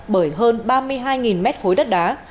bởi hơn ba mươi hai mét khối đất đá